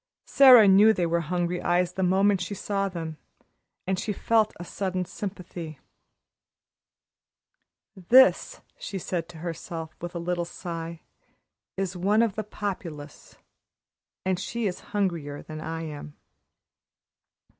Sara knew they were hungry eyes the moment she saw them, and she felt a sudden sympathy. "This," she said to herself, with a little sigh, "is one of the Populace and she is hungrier than I am."